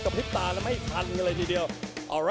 กันต่อแพทย์จินดอร์